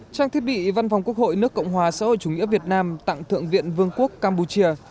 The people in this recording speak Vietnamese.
trang thiết bị văn phòng quốc hội nước cộng hòa xã hội chủ nghĩa việt nam tặng thượng viện vương quốc campuchia